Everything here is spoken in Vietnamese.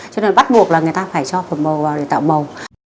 cho nên bắt buộc là người ta phải cho phẩm màu vào để tạo màu